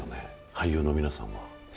俳優の皆さんは。